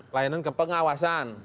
pelayanan ke pengawasan